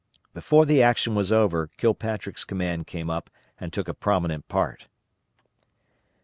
Before the action was over Kilpatrick's command came up and took a prominent part.